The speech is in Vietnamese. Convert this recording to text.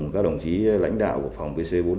các đồng chí lãnh đạo của phòng vc bốn mươi năm